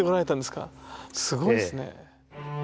すごいですね。